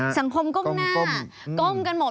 สังคมก้มหน้าก้มกันหมด